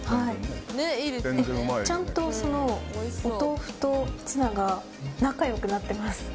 ちゃんとお豆腐とツナが仲良くなってます。